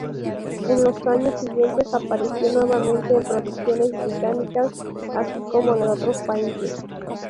En los años siguientes apareció nuevamente en producciones británicas, así como de otros países.